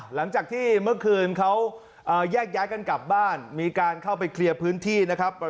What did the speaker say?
หลังจากที่เมื่อคืนเขาแยกย้ายกันกลับบ้านมีการเข้าไปเคลียร์พื้นที่นะครับ